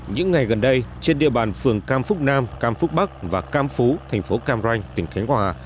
những ngày gần đây trên địa bàn phường cam phúc nam cam phúc bắc và cam phú thành phố cam ranh tỉnh khánh hòa